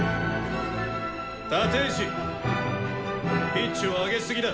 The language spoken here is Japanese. ピッチを上げすぎだ！